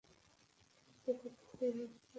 যে-কথা হইতেছিল তাহাই বলো না।